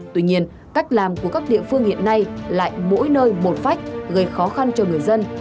tuy nhiên cách làm của các địa phương hiện nay lại mỗi nơi một phách gây khó khăn cho người dân